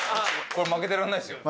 これ負けてらんないですよ。